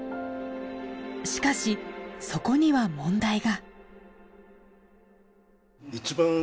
しかしそこには問題が。